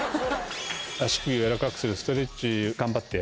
足首をやわらかくするストレッチ頑張って。